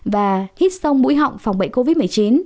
và hít sông mũi họng phòng bệnh covid một mươi chín